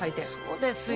そうですよ。